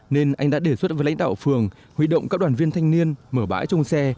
nên anh đã đề xuất với lãnh đạo phường huy động các đoàn viên thanh niên mở bãi trong xe